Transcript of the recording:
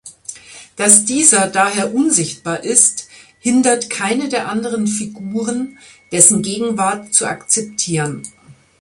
Dass dieser daher unsichtbar ist, hindert keine der anderen Figuren, dessen Gegenwart zu akzeptieren.